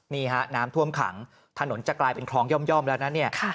นี่น้ำท่วมขังถนนจะกลายเป็นคลองย่อมแล้ว